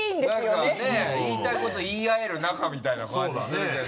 何かね言いたいこと言い合える仲みたいな感じするけど。